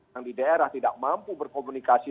yang di daerah tidak mampu berkomunikasi